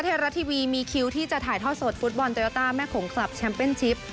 เทราะทีวีมีคิวที่จะถ่ายท่อสดฟุตบอลโตยอต้าแม่ของคลับชัมเป็นชิป